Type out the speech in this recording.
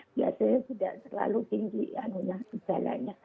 biasanya sudah terlalu tinggi gejalanya